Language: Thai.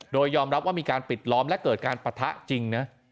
โดยยอมรับว่ามีการปิดล้อมและเกิดการปะทะจริงนะ